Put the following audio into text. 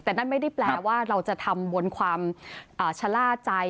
แต่นั่นไม่ได้แปลว่าเราจะทำบนความชะล่าใจ